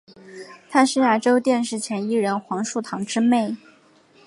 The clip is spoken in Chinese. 她是亚洲电视前艺人黄树棠之妹。